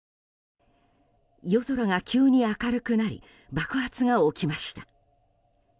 夜空が急に明るくなり爆発が起きました。